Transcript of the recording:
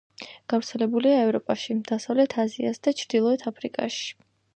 გავრცელებულია ევროპაში, დასავლეთ აზიასა და ჩრდილოეთ აფრიკაში.